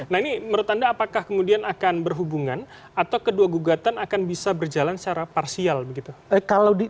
nah ini menurut anda apakah kemudian akan berhubungan atau kedua gugatan akan bisa berjalan secara parsial begitu